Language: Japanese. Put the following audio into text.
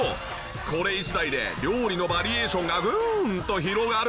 これ一台で料理のバリエーションがグーンと広がる！